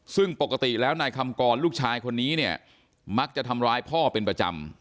ซึ่งปกติแล้วนายคำกรลูกชายคนนี้เนี่ยมักจะทำร้ายพ่อเป็นประจำ